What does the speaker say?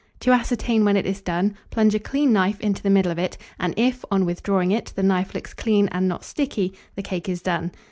To ascertain when it is done, plunge a clean knife into the middle of it, and if, on withdrawing it, the knife looks clean, and not sticky, the cake is done.